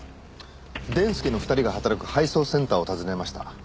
でんすけの２人が働く配送センターを訪ねました。